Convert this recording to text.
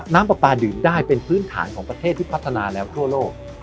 น้ำปลาปลาดื่มได้เป็นพื้นฐานของประเทศที่พัฒนาแล้วทั่วโลก